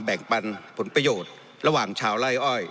ปันผลประโยชน์ระหว่างชาวไล่อ้อย